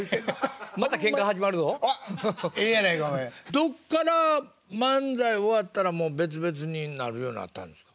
どっから漫才終わったらもう別々になるようになったんですか？